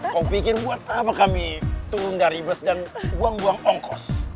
kau pikir buat apa kami turun dari bus dan buang buang ongkos